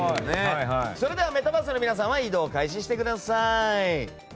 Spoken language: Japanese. それではメタバースの皆さんは移動を開始してください。